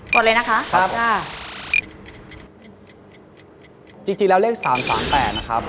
หมดเลยนะคะครับค่ะจริงจริงแล้วเลขสามสามแปดนะครับ